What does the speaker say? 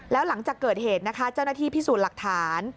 แล้วหลังจากเกิดเหตุนะคะเจ้าหน้าที่พิสูจน์หลักฐาน